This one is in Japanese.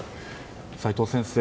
齋藤先生